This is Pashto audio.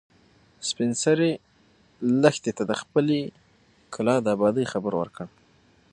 سپین سرې لښتې ته د خپلې کلا د ابادۍ خبر ورکړ.